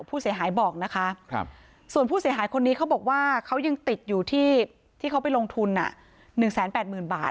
ผู้เสียหายบอกนะคะส่วนผู้เสียหายคนนี้เขาบอกว่าเขายังติดอยู่ที่เขาไปลงทุน๑๘๐๐๐บาท